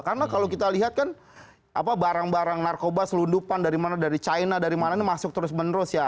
karena kalau kita lihat kan barang barang narkoba selundupan dari mana dari china dari mana masuk terus menerus ya